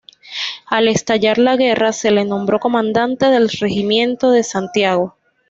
Al estallar la guerra, se le nombró comandante del regimiento de Santiago.